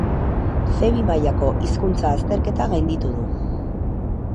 C bi mailako hizkuntza azterketa gainditu du.